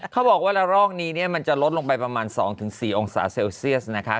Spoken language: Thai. เขาบอกว่าละรอกนี้มันจะลดลงไปประมาณ๒๔องศาเซลเซียสนะคะ